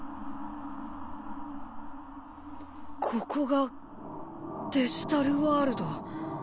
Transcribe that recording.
ここがデジタルワールド。